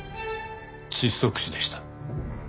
窒息死でした。